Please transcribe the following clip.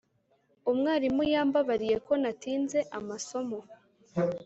umwarimu yambabariye ko natinze amasomo.